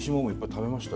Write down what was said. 食べました。